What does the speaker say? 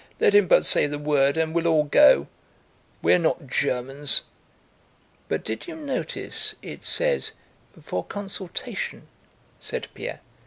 "Let him but say the word and we'll all go.... We're not Germans!" "But did you notice, it says, 'for consultation'?" said Pierre.